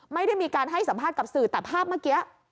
ไม่ได้มีการให้สัมภาษณ์กับสื่อแต่ภาพเมื่อกี้